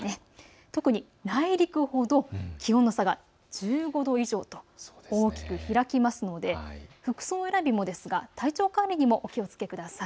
特に内陸ほど気温の差が１５度以上と大きく開きますので服装選びもですが体調にもお気をつけください。